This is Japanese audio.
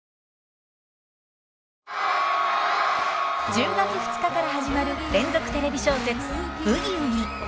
１０月２日から始まる連続テレビ小説「ブギウギ」。